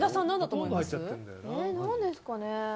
何ですかね。